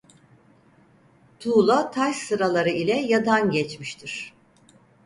Tuğla taş sıraları ile yadan geçmiştir.